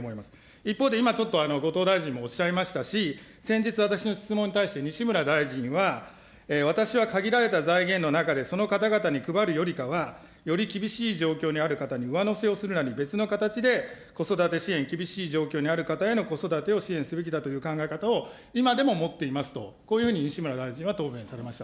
一方で、今、ちょっと後藤大臣もおっしゃいましたし、先日、私の質問に対して西村大臣は、私は限られた財源の中で、その方々に配るよりかは、より厳しい状況にある方に上乗せをするなり、別の形で子育て支援、厳しい状況にある方への子育てを支援すべきだという考え方を今でも持っていますと、こういうふうに西村大臣は答弁されました。